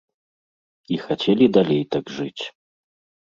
І хацелі далей так жыць.